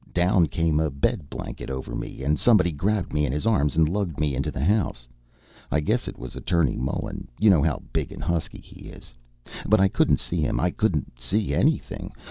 _ down came a bed blanket over me and somebody grabbed me in his arms and lugged me into the house. I guess it was Attorney Mullen you know how big and husky he is. But I couldn't see him. I couldn't see anything.